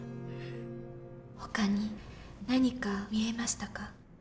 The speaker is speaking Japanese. ほかに何か見えましたか？